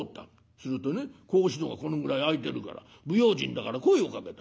するとね格子戸がこのぐらい開いてるから不用心だから声をかけた。